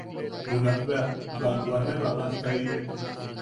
Junakbea banwame babaʼantaitek.